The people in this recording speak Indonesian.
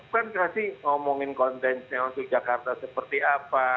kan kasih ngomongin kontennya untuk jakarta seperti apa